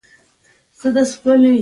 دا لنډې دمي نه وروسته بيا راګرځوو